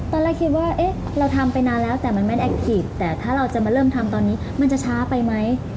ตอนแรกคิดว่าเอ๊ะเราทำไปนานแล้วแต่มันไม่แอคทีฟแต่ถ้าเราจะมาเริ่มทำตอนนี้มันจะช้าไปไหม